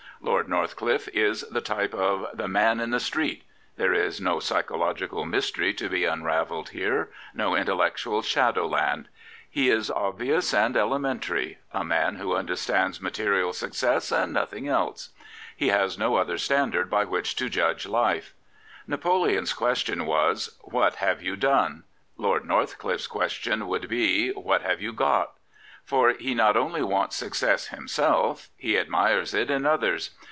Lord Northcliffe is the type of ' the man in the street.' There is no psychological mystery to be unravelled here, no intellectual shadow land. He is obyiqus and ele mentary — a man who understands material success 88 Lord NorthclifFc and nothing else. He has no other standard by which to ju^lgQ life, Napoleon's question was, ' ^^at have yopi done ?' Lojd be, ' y^at have you got? ' For he "noV only "wants success himself; he admires it in others.